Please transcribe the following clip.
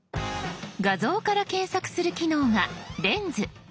画像から検索する機能が「レンズ」。